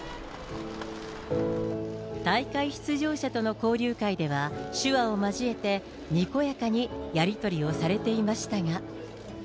大会出場者との交流会では、手話を交えてにこやかにやり取りをされていましたが。